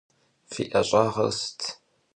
Fi 'eş'ağer sıt?